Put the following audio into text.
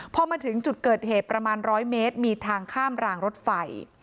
พอมาถึงจุดเกิดเหตุประมาณ๑๐๐เมตรมีทางข้ามรางรถไฟ